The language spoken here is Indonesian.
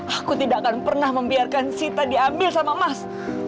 aku tidak akan pernah membiarkan sita diambil sama emas